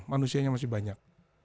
manusianya masih banyak